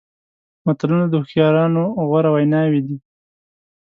متلونه د هوښیارانو غوره ویناوې دي.